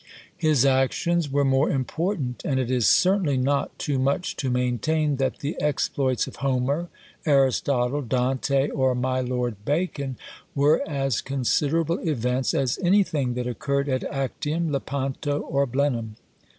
His actions were more important; and it is certainly not too much to maintain that the exploits of Homer, Aristotle, Dante, or my Lord Bacon, were as considerable events as anything that occurred at Actium, Lepanto, or Blenheim.